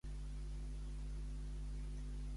Podries recordar-me que demà esmorzo amb els pares?